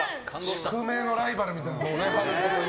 宿命のライバルみたいな。